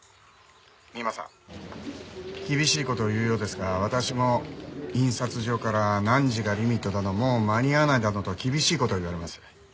三馬さん厳しい事を言うようですが私も印刷所から何時がリミットだのもう間に合わないだのと厳しい事を言われます。